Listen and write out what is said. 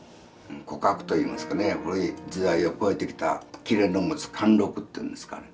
古格といいますかね古い時代をこえてきた裂の持つ貫禄っていうんですかね